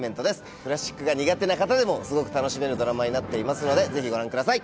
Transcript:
クラシックが苦手な方でもすごく楽しめるドラマになっていますのでぜひご覧ください。